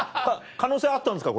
可能性あったんですか？